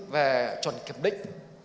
về chuẩn kiểm định